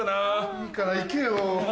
いいからいけよ。